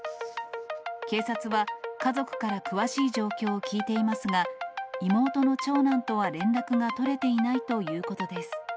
警察は家族から詳しい状況を聴いていますが、妹の長男とは連絡が取れていないということです。